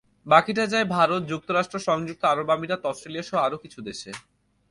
বাকিটা যায় ভারত, যুক্তরাষ্ট্র, সংযুক্ত আরব আমিরাত, অস্ট্রেলিয়াসহ আরও কিছু দেশে।